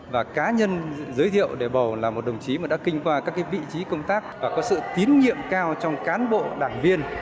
và cá nhân giới thiệu để bầu là một đồng chí mà đã kinh qua các vị trí công tác và có sự tín nhiệm cao trong cán bộ đảng viên